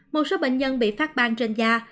một số bệnh nhân bị phát ban trên da